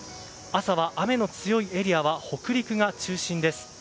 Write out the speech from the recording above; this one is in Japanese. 朝は雨の強いエリアは北陸が中心です。